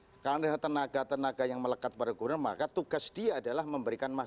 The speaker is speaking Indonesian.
tidak ada yang melekat pada gubernur kalau ada tenaga tenaga yang melekat pada gubernur maka tugas dia adalah memberikan masukan